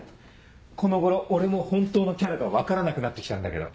この頃俺も本当のキャラが分からなくなって来たんだけど。